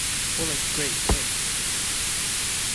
What a great pic!